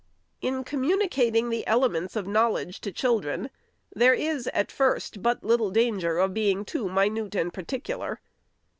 In communicating the elements of knowledge to chil dren, there is, at first, but little danger of being too minute and particular.